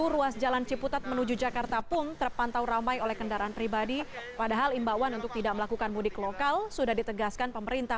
roboh menurut warga meski